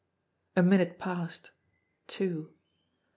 A minute passed two.